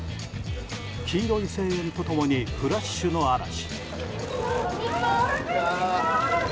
黄色い声援と共にフラッシュの嵐。